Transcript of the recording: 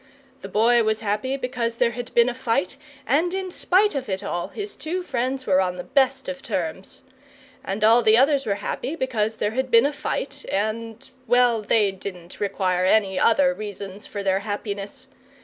The Boy was happy because there had been a fight, and in spite of it all his two friends were on the best of terms. And all the others were happy because there had been a fight, and well, they didn't require any other reasons for their happiness.